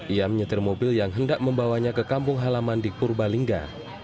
ia menyetir mobil yang hendak membawanya ke kampung halaman di purbalingga